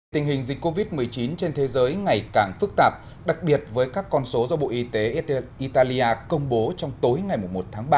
tình hình dịch covid một mươi chín trên thế giới ngày càng phức tạp đặc biệt với các con số do bộ y tế italia công bố trong tối ngày một tháng ba